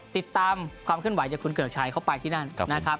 ติดตามความเคลื่อนไหวจากคุณเกริกชัยเข้าไปที่นั่นนะครับ